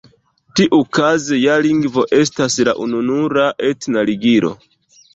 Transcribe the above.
Tiukaze ja lingvo estas la ununura etna ligilo.